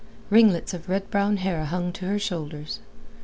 Ringlets of red brown hair hung to her shoulders.